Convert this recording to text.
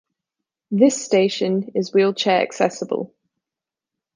This station is wheelchair accessible.